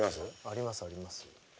ありますあります。